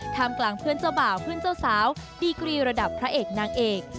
กลางเพื่อนเจ้าบ่าวเพื่อนเจ้าสาวดีกรีระดับพระเอกนางเอก